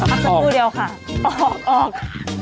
น่ารักนิสัยดีมาก